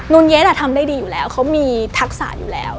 นเย็ดทำได้ดีอยู่แล้วเขามีทักษะอยู่แล้ว